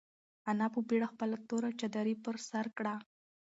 انا په بېړه خپله توره چادري پر سر کړه.